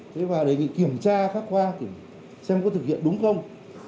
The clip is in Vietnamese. thế vào để kiểm tra phát qua xem có thực hiện đúng không